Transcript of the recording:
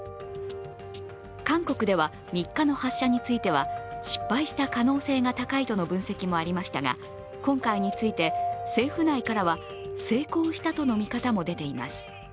韓国では３日の発射については失敗した可能性が高いとの分析もありましたが、今回について、政府内からは成功したとの見方も出ています。